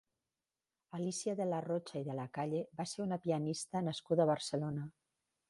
Alícia de Larrocha i de la Calle va ser una pianista nascuda a Barcelona.